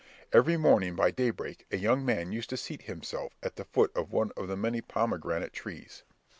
Every morning, by daybreak, a young man used to seat himself at the foot of one of the many pomegranate trees.